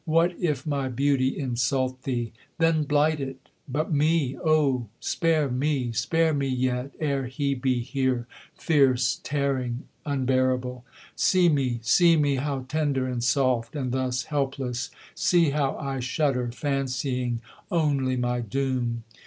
What if my beauty insult thee, then blight it: but me Oh spare me! Spare me yet, ere he be here, fierce, tearing, unbearable! See me, See me, how tender and soft, and thus helpless! See how I shudder, Fancying only my doom.